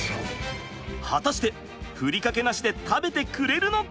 果たしてふりかけなしで食べてくれるのか！？